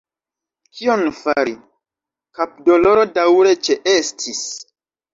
Kion fari – kapdoloro daŭre ĉeestis.